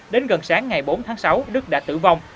đến gần sáng ngày bốn tháng sáu đức đã tử vong